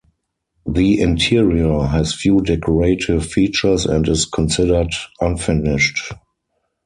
The interior has few decorative features and is considered unfinished.